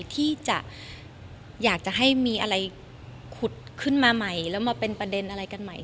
ที่จะอยากจะให้มีอะไรขุดขึ้นมาใหม่แล้วมาเป็นประเด็นอะไรกันใหม่